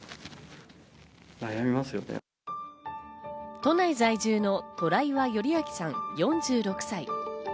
都内在住の虎岩頼晃さん、４６歳。